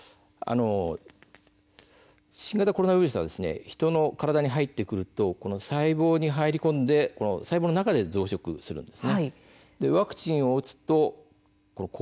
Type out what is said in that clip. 新型コロナウイルスは人の体に入ってくると細胞に入り込んで細胞の中で増殖するんです。